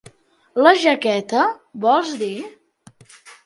La jaqueta, vols dir?